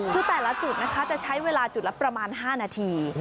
คือแต่ละจุดนะคะจะใช้เวลาจุดละประมาณ๕นาที